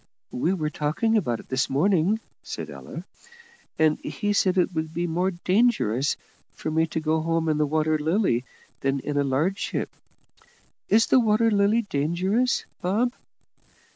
"We were talking about it this morning," said Ella; "and he said it would be more dangerous for me to go home in the Water Lily than in a large ship. Is the Water Lily dangerous, Bob?"